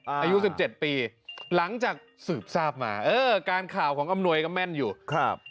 อายุสิบเจ็ดปีหลังจากสืบทราบมาเออการข่าวของอำนวยก็แม่นอยู่ครับ